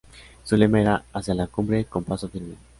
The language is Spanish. Su lema era ""Hacia la cumbre con paso firme"".